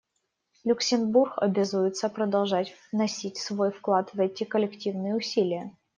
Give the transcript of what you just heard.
Люксембург обязуется продолжать вносить свой вклад в эти коллективные усилия.